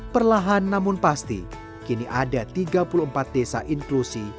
perlahan namun pasti kini ada tiga puluh empat desa inklusi